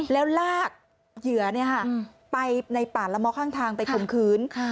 แล้วลากเยือไปในป่านละม็อข้างทางกลมคืน